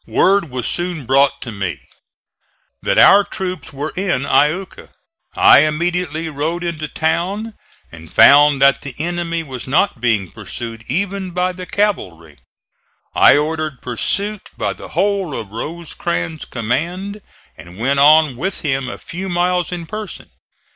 Word was soon brought to me that our troops were in Iuka. I immediately rode into town and found that the enemy was not being pursued even by the cavalry. I ordered pursuit by the whole of Rosecrans' command and went on with him a few miles in person.